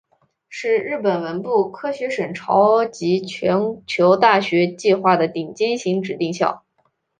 是日本文部科学省超级全球大学计划的顶尖型指定校。